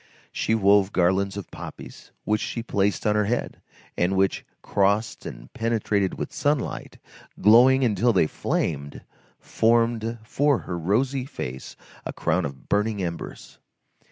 She wove garlands of poppies, which she placed on her head, and which, crossed and penetrated with sunlight, glowing until they flamed, formed for her rosy face a crown of burning embers.